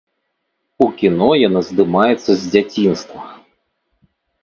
У кіно яна здымаецца з дзяцінства.